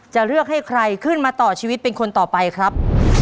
จะเลือกให้ใครขึ้นมาต่อชีวิตเป็นคนต่อไปครับ